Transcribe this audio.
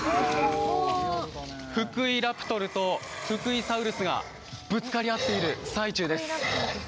フクイラプトルとフクイサウルスがぶつかり合っている最中です。